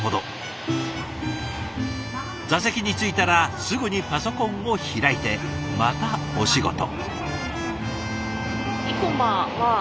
座席に着いたらすぐにパソコンを開いてまたお仕事。